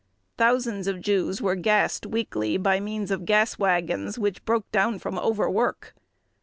Thousands of Jews were gassed weekly by means of gas wagons which broke down from overwork.